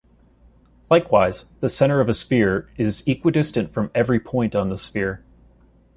Likewise the center of a sphere is equidistant from every point on the sphere.